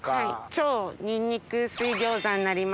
超ニンニク水餃子になります。